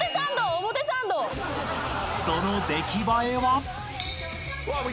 ［その出来栄えは？］